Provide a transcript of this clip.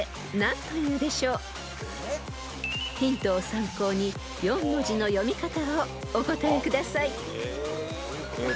［ヒントを参考に４文字の読み方をお答えください］えっと。